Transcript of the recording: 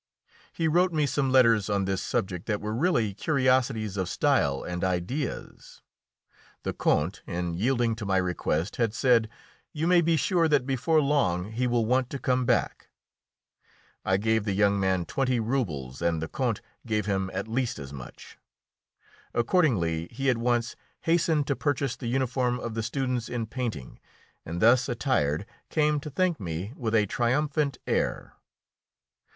He wrote me some letters on this subject that were really curiosities of style and ideas. The Count, in yielding to my request, had said, "You may be sure that before long he will want to come back." I gave the young man twenty rubles and the Count gave him at least as much. Accordingly, he at once hastened to purchase the uniform of the students in painting, and thus attired came to thank me with a triumphant air.